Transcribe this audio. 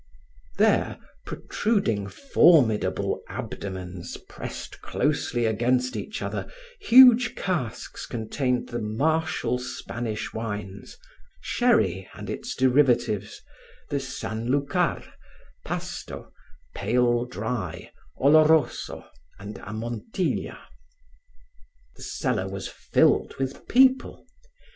There, protruding formidable abdomens pressed closely against each other, huge casks contained the martial Spanish wines, sherry and its derivatives, the san lucar, pasto, pale dry, oloroso and amontilla. The cellar was filled with people.